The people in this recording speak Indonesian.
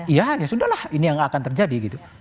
ya ya sudah lah ini yang akan terjadi